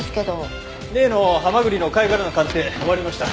例の蛤の貝殻の鑑定終わりました。